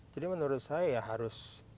jadi menurut saya ya harus